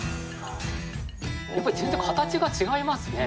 やっぱり全然形が違いますね。